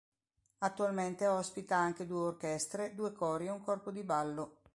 Attualmente ospita anche due orchestre, due cori e un corpo di ballo.